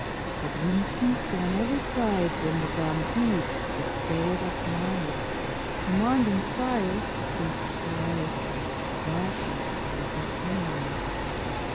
But Linden saw another sight When the drum beat, at dead of night, Commanding fires of death to light The darkness of her scenery.